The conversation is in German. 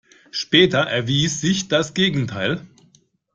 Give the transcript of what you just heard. Später erwies sich das Gegenteil.